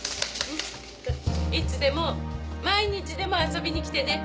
いつでも毎日でも遊びにきてね